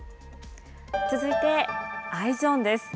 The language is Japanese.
続いてＥｙｅｓｏｎです。